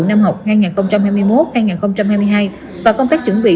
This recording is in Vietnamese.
năm học hai nghìn hai mươi một hai nghìn hai mươi hai và công tác chuẩn bị